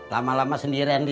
lama lama sendiri gue pulang ya